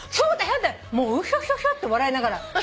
もうウヒョヒョヒョって笑いながらひょう拾って。